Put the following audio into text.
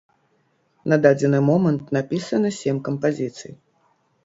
На дадзены момант напісана сем кампазіцый.